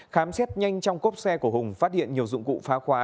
khám xét nhanh trong cốp xe của hùng phát hiện nhiều dụng cụ phá khóa